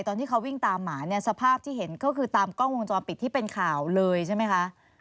ตอนที่เขาวิ่งตามหมาเนี่ยสภาพที่เห็นก็คือตามกล้องวงจรปิดที่เป็นข่าวเลยใช่ไหมคะ